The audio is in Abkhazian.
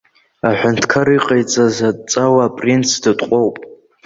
Аҳәынҭқар иҟаиҵаз адҵала апринц дытҟәоуп.